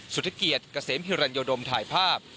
สุธิเกียจเกษมฮิรัญโยดมถ่ายภาพ